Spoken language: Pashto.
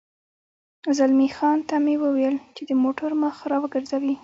زلمی خان ته مې وویل چې د موټر مخ را وګرځوي.